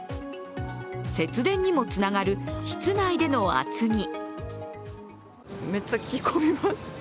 節電にもつながる室内での厚着。